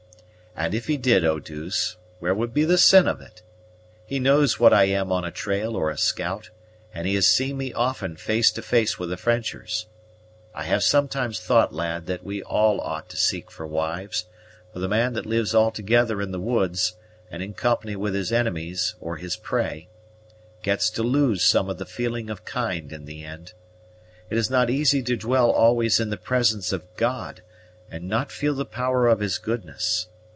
"And if he did, Eau douce, where would be the sin of it? He knows what I am on a trail or a scout, and he has seen me often face to face with the Frenchers. I have sometimes thought, lad, that we all ought to seek for wives; for the man that lives altogether in the woods, and in company with his enemies or his prey, gets to lose some of the feeling of kind in the end. It is not easy to dwell always in the presence of God and not feel the power of His goodness.